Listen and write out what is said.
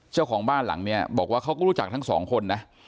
เจ้าของบ้านหลังนี้บอกว่าเขาก็รู้จักทั้งสองคนนะ